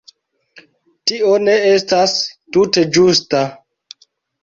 Tio ne estas tute ĝusta.